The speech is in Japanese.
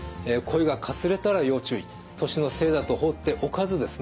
年のせいだと放っておかずですね